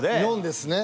４ですね。